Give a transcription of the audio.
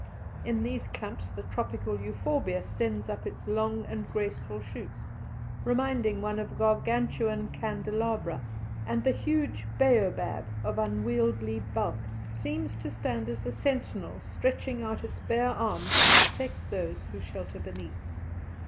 In these clumps the tropical euphorbia sends up its long and graceful shoots, reminding one of Gargantuan candelabra, and the huge "baobab," of unwieldy bulk, seems to stand as the sentinel stretching out its bare arms to protect those who shelter beneath.